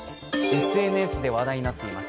ＳＮＳで話題になっています。